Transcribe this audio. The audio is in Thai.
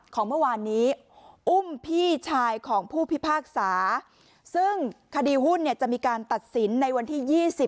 ของเมื่อวานนี้อุ้มพี่ชายของผู้พิพากษาซึ่งคดีหุ้นเนี่ยจะมีการตัดสินในวันที่๒๐